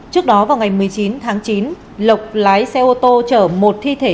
trước đó vào ngày một mươi chín tháng chín lộc lái xe ô tô chở một